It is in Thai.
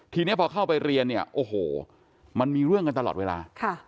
ทีนี้พอเข้าไปเรียนเนี่ยโอ้โหมันมีเรื่องกันตลอดเวลา